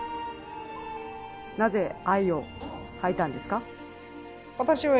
なぜ「愛」を書いたんですか？